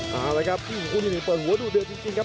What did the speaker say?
เอาล่ะครับที่ของคู่ที่หนึ่งเปิดหัวดูเดียวจริงครับ